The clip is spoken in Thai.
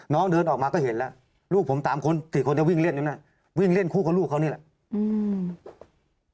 น้องเดินออกมาก็เห็นแล้วลูกผมสามคนสี่คนจะวิ่งเล่นกันน่ะวิ่งเล่นคู่กับลูกเขานี่แหละอืม